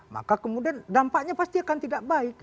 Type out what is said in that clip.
maka kemudian dampaknya pasti akan tidak baik